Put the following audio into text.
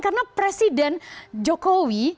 karena presiden jokowi